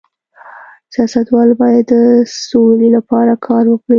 سیاستوال باید د سولې لپاره کار وکړي